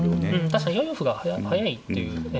確かに４四歩が速いっていう。